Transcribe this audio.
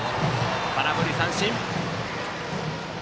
空振り三振。